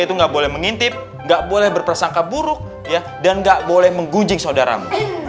itu nggak boleh mengintip nggak boleh berpersangka buruk dan nggak boleh menggunjing saudaramu